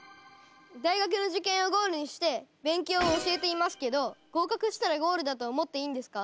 大学の受験をゴールにして勉強を教えていますけど合格したらゴールだと思っていいんですか？